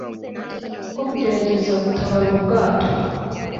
ko kugerageza gutabara ubu bwato.